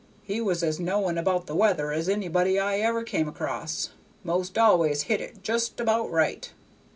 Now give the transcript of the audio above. He was as knowing about the weather as anybody I ever come across; 'most always hit it just about right.